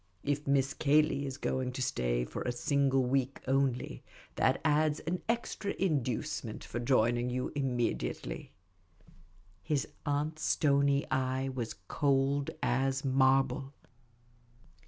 If Miss Cayley is going to stay for a single week only, that adds one extra inducement for joining you immediately." His aunt's stony eye was cold as marble.